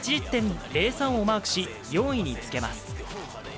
８０．０３をマークし、４位につけます。